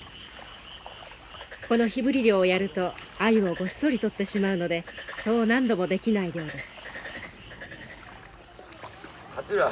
この火ぶり漁をやるとアユをごっそり取ってしまうのでそう何度もできない漁です。